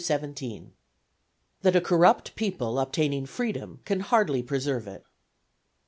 CHAPTER XVII.—_That a corrupt People obtaining Freedom can hardly preserve it.